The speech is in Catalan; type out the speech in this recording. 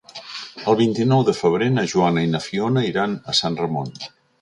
El vint-i-nou de febrer na Joana i na Fiona iran a Sant Ramon.